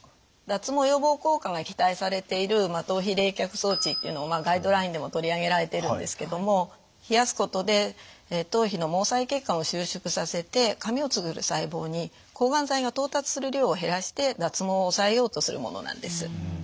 脱毛予防効果が期待されている頭皮冷却装置っていうのをガイドラインでも取り上げられているんですけども冷やすことで頭皮の毛細血管を収縮させて髪をつくる細胞に抗がん剤が到達する量を減らして脱毛を抑えようとするものなんです。